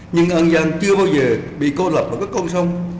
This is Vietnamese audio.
nhưng an giang chưa bao giờ bị cô lập ở các con sông